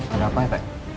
ada apa pak